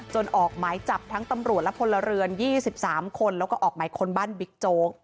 ออกหมายจับทั้งตำรวจและพลเรือน๒๓คนแล้วก็ออกหมายค้นบ้านบิ๊กโจ๊ก